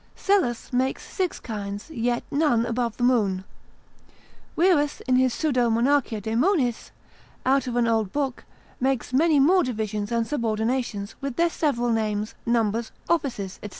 Psellus makes six kinds, yet none above the Moon: Wierus in his Pseudo monarchia Daemonis, out of an old book, makes many more divisions and subordinations, with their several names, numbers, offices, &c.